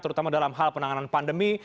terutama dalam hal penanganan pandemi